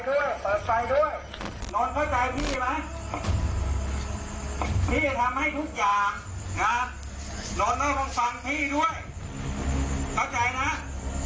เข้าใจนะโดน